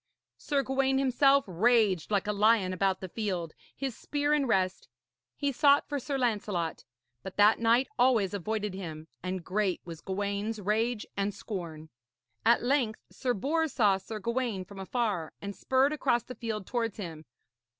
Sir Gawaine himself raged like a lion about the field, his spear in rest. He sought for Sir Lancelot; but that knight always avoided him, and great was Gawaine's rage and scorn. At length Sir Bors saw Sir Gawaine from afar, and spurred across the field towards him.